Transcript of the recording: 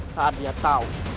saat dia tahu